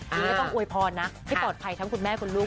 ไม่ระวังอวยพลอย่างที่ปลอดภัยของคุณแม่คุณลูก